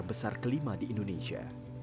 terbesar kelima di indonesia